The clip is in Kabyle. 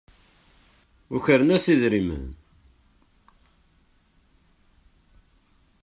Ukren-as idrimen.